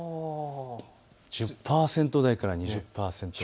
１０％台から２０％台。